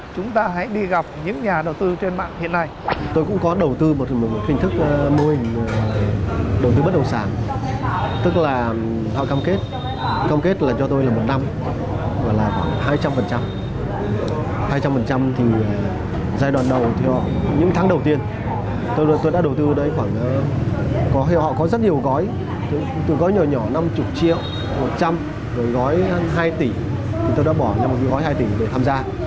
chúng ta hãy đi gặp những nhà đầu tư trên mạng hiện nay